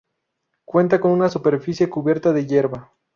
Cuenta con una superficie cubierta de hierba.